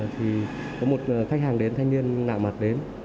thì có một khách hàng đến thanh niên lạ mặt đến